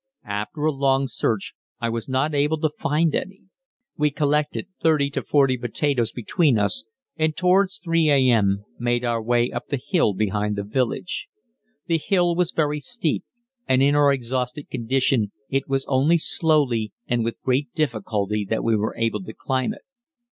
After a long search I was not able to find any. We collected thirty to forty potatoes between us, and towards 3 a.m. made our way up the hill behind the village. The hill was very steep, and in our exhausted condition it was only slowly and with great difficulty that we were able to climb it.